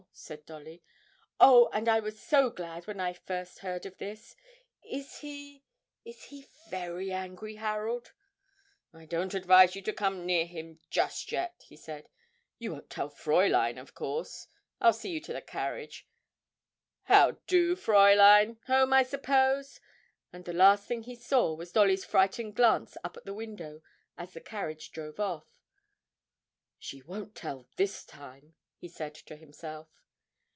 said Dolly. 'Oh, and I was so glad when I first heard of it! Is he is he very angry, Harold?' 'I don't advise you to come near him just yet,' he said. 'You won't tell Fräulein, of course? I'll see you to the carriage ... how do, Fräulein? Home, I suppose?' And the last thing he saw was Dolly's frightened glance up at the window as the carriage drove off. 'She won't tell this time,' he said to himself.